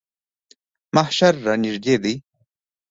محشر رانږدې دی.